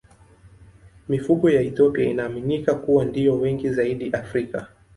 Mifugo ya Ethiopia inaaminika kuwa ndiyo wengi zaidi Afrika.